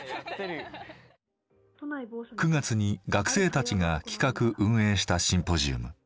９月に学生たちが企画・運営したシンポジウム。